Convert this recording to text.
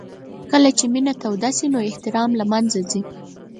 کله چې مینه توده شي نو احترام له منځه ځي.